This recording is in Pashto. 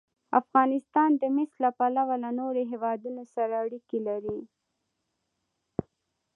افغانستان د مس له پلوه له نورو هېوادونو سره اړیکې لري.